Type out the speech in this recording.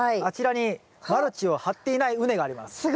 あちらにマルチを張っていない畝があります。